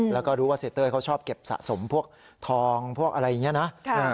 แล้วก็รู้ว่าเสียเต้ยเขาชอบเก็บสะสมพวกทองพวกอะไรอย่างนี้นะ